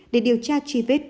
để điều tra chi vết